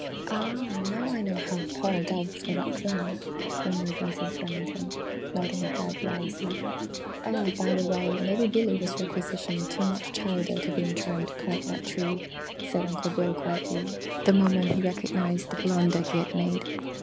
"Ah! Now I know how Paul delved for that clam!" murmured Mrs. Remington, nodding her head wisely. "Oh, by the way! maybe Billy has requisitioned too much chowder to be in trim to climb that tree!" said Uncle Bill quietly, the moment he recognised the blunder he had made.